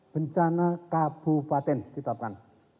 bencana kabupaten ditetapkan